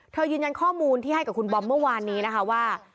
ยืนยันข้อมูลที่ให้กับคุณบอมเมื่อวานนี้นะคะว่า